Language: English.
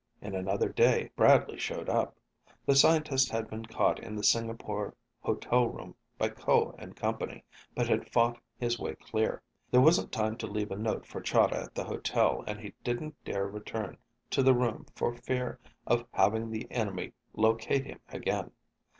In another day, Bradley showed up. The scientist had been caught in the Singapore hotel room by Ko and company, but had fought his way clear. There wasn't time to leave a note for Chahda at the hotel and he didn't dare return to the room for fear of having the enemy locate him again.